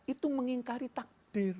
itu mengingkari takdir